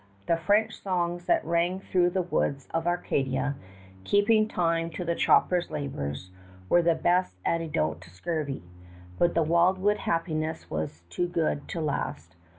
The French songs that rang through the woods of Acadia, keeping time to the chopper's labors, were the best antidote to scurvy; but the wildwood happiness was too good to last.